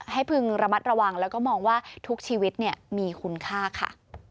พึงระมัดระวังแล้วก็มองว่าทุกชีวิตมีคุณค่าค่ะ